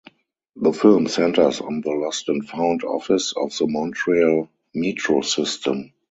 The film centres on the lost and found office of the Montreal Metro system.